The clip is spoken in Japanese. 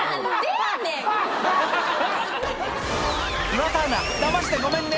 岩田アナだましてごめんね！